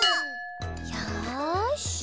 よし。